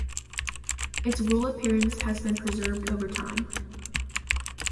Its rural appearance has been preserved over time.